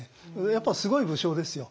やっぱすごい武将ですよ。